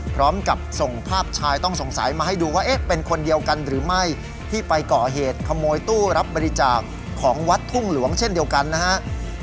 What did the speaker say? พร้อมกับส่งภาพชายต้องสงสัยมาให้ดูว่าเอ๊ะเป็นคนเดียวกันหรือไม่ที่ไปก่อเหตุขโมยตู้รับบริจาคของวัดทุ่งหลวงเช่นเดียวกันนะฮะ